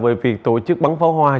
về việc tổ chức bắn pháo hoa